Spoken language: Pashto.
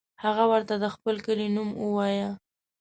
هغه ورته د خپل کلي نوم ووایه.